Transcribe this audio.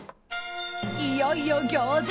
いよいよ餃子。